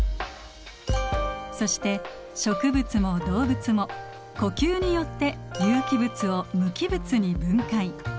そして植物も動物も呼吸によって有機物を無機物に分解。